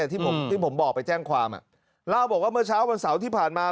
ที่ผมที่ผมบอกไปแจ้งความเล่าบอกว่าเมื่อเช้าวันเสาร์ที่ผ่านมา